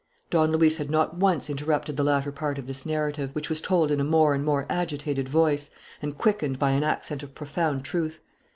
Don Luis had not once interrupted the latter part of this narrative, which was told in a more and more agitated voice and quickened by an accent of profound truth.